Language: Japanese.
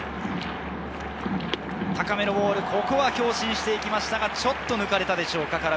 高めのボール、ここは強振して行きましたが、ちょっと抜かれたでしょうか。